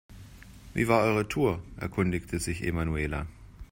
Wie war eure Tour?, erkundigte sich Emanuela.